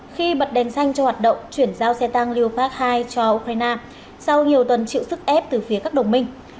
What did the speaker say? khi bật đèn xanh cho hoạt động chuyển giao xe tăng liều phát hai cho ukraine sau nhiều tuần chịu sức ép từ phía các đồng minh